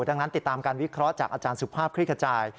ดังนั้นติดตามการวิเคราะห์จากอาจารย์สุภาพคลิกขจาย